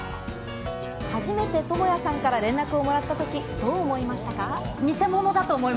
初めて倫也さんから連絡をもらったとき、どう思いましたか？